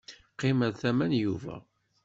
Qqim ar tama n Yuba.